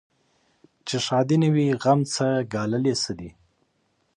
چي ښادي نه وي غم څه ګالل یې څه دي